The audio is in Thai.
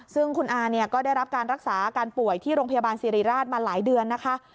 ซึ่งคุณอาเนี่ยก็ได้รับการรักษาอาการป่วยที่โรงพยาบาลสิริราชมาหลายเดือนนะคะ